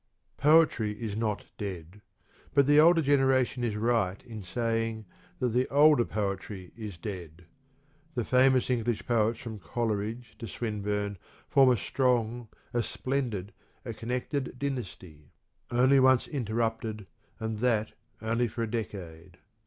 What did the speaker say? Poetry is not dead, but the older generation is right in saying that the Older Poetry is dead. The famous English Poets from Coleridge to Swinburne form a strong, a splendid, a connected dynasty, only once interrupted, and that for only a decade.